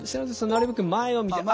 なるべく前を見て。